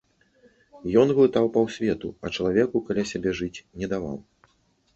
Ён глытаў паўсвету, а чалавеку каля сябе жыць не даваў.